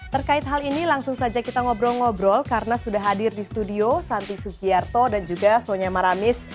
terkait hal ini langsung saja kita ngobrol ngobrol karena sudah hadir di studio santi sugiyarto dan juga sonya maramis